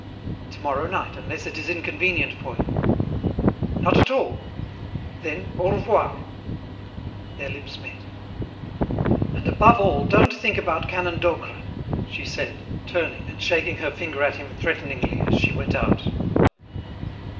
"Tomorrow night, unless it is inconvenient for you." "Not at all." "Then, au revoir." Their lips met. "And above all, don't think about Canon Docre," she said, turning and shaking her finger at him threateningly as she went out.